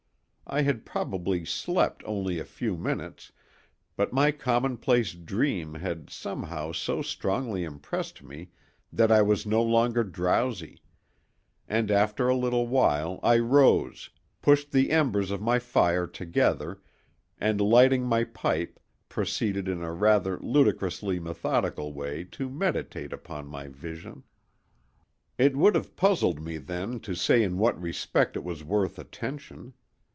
I had probably slept only a few minutes, but my commonplace dream had somehow so strongly impressed me that I was no longer drowsy; and after a little while I rose, pushed the embers of my fire together, and lighting my pipe proceeded in a rather ludicrously methodical way to meditate upon my vision. It would have puzzled me then to say in what respect it was worth attention.